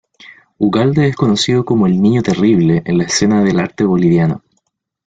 Ugalde es conocido como "el niño terrible" en la escena del arte boliviano.